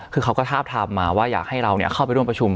คือเขาก็ทาบทามมาว่าอยากให้เราเข้าไปร่วมประชุม